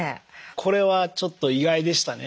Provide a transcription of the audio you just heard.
これはちょっと意外でしたね。